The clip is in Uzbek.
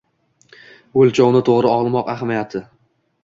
O‘lchovni to‘g‘ri olmoq ahamiyati